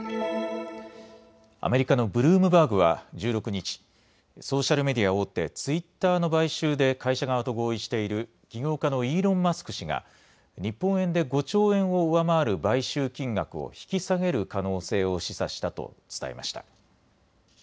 アメリカのブルームバーグは１６日、ソーシャルメディア大手、ツイッターの買収で会社側と合意している起業家のイーロン・マスク氏が日本円で５兆円を上回る買収金額を引き下げる可能性を示唆したと伝えました。